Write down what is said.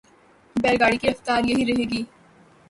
بیل گاڑی کی رفتار یہی رہے گی۔